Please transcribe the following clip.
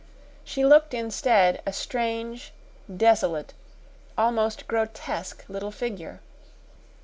She looked instead a strange, desolate, almost grotesque little figure.